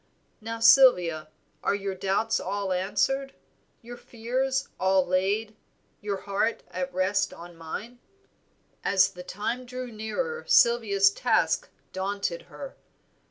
Now Sylvia, are your doubts all answered, your fears all laid, your heart at rest on mine?" As the time drew nearer Sylvia's task daunted her.